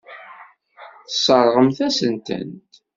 Tesseṛɣemt-asen-tent.